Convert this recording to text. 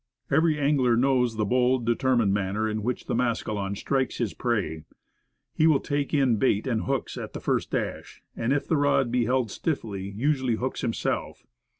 Every angler knows the bold, determined manner in which the mascalonge strikes his prey. He will take in bait and hooks at the first dash, and if the rod be held stiffly, usually hooks himself.